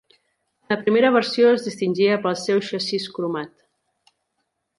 La primera versió es distingia pel seu xassís cromat.